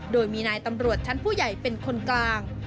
โดยมีนายตำรวจชั้นผู้ใหญ่เป็นคนกลาง